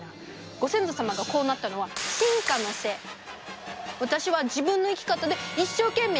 ご先祖様がこうなったのは私は自分の生き方で一生懸命生きてるだけ！